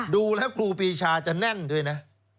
ดูแล้วครูปีชาจะแน่นด้วยนะ